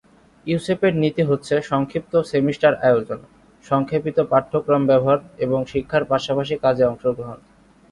ইউসেপের নীতি হচ্ছে সংক্ষিপ্ত সেমিস্টার আয়োজন, সংক্ষেপিত পাঠ্যক্রম ব্যবহার এবং শিক্ষার পাশাপাশি কাজে অংশগ্রহণ।